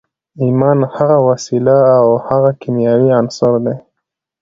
ايمان هغه وسيله او هغه کيمياوي عنصر دی.